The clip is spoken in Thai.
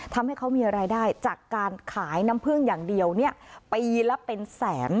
ทำให้เขามีรายได้จากการขายน้ำพึ่งอย่างเดียวปีละเป็นแสน